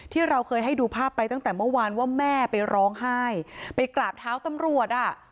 ที่เราเคยให้ดูภาพไปตั้งแต่เมื่อวานว่าแม่ไปร้องไห้ไปกราบเท้าตำรวจอ่ะ